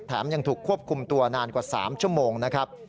ยังถูกควบคุมตัวนานกว่า๓ชั่วโมงนะครับ